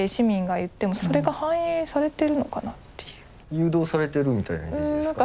誘導されてるみたいなイメージですか？